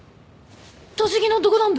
栃木のどこだんべ？